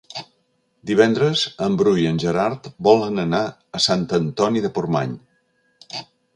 Divendres en Bru i en Gerard volen anar a Sant Antoni de Portmany.